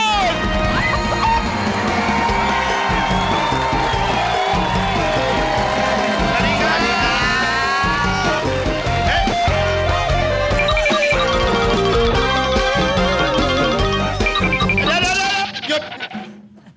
เดี๋ยวหยุด